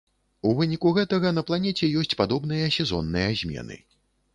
У выніку гэтага на планеце ёсць падобныя сезонныя змены.